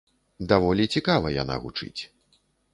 Даволі цікава яна гучыць.